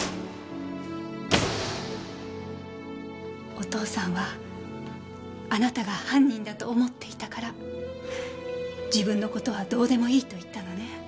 お父さんはあなたが犯人だと思っていたから「自分の事はどうでもいい」と言ったのね。